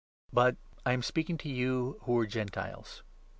But I am speaking to you who were Gentiles.